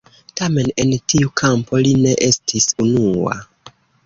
Tamen en tiu kampo li ne estis unua.